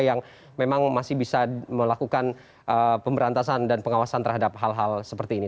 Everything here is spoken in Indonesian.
yang memang masih bisa melakukan pemberantasan dan pengawasan terhadap hal hal seperti ini